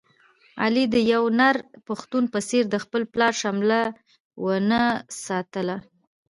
علي د یو نر پښتون په څېر د خپل پلار شمله و نه ساتله.